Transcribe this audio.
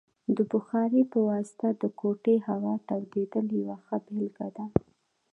د بخارۍ په واسطه د کوټې هوا تودیدل یوه ښه بیلګه ده.